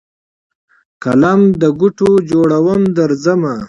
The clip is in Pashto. قلم دګوټو جوړوم درځمه